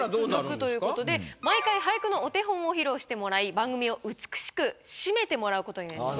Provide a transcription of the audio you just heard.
続くという事で毎回俳句のお手本を披露してもらい番組を美しく締めてもらう事になります。